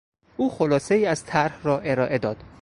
او خلاصهای از طرح را ارائه داد.